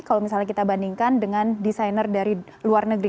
kalau misalnya kita bandingkan dengan desainer dari luar negeri